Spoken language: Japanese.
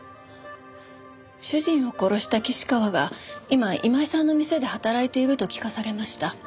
主人を殺した岸川が今今井さんの店で働いていると聞かされました。